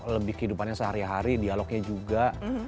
lebih kehidupannya sehari hari dialognya juga